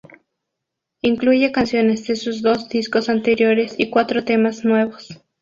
Incluye canciones de sus dos discos anteriores y cuatro temas nuevos.